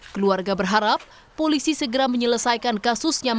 keluarga berharap polisi segera menyelesaikan kasusnya